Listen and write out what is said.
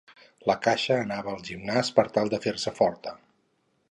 La caixa anava al gimnàs per tal de fer-se forta.